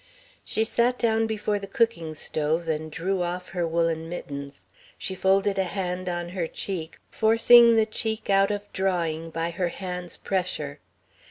She sat down before the cooking stove and drew off her woolen mittens. She folded a hand on her cheek, forcing the cheek out of drawing by her hand's pressure.